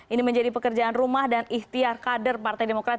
ini menjadi pekerjaan rumah dan ikhtiar kader partai demokrat